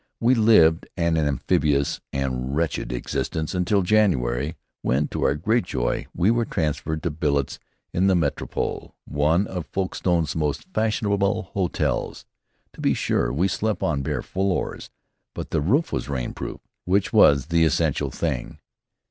We lived an amphibious and wretched existence until January, when, to our great joy, we were transferred to billets in the Metropole, one of Folkestone's most fashionable hotels. To be sure, we slept on bare floors, but the roof was rainproof, which was the essential thing.